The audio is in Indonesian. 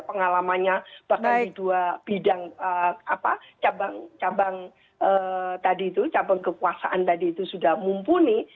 pengalamannya bahkan di dua bidang cabang tadi itu cabang kekuasaan tadi itu sudah mumpuni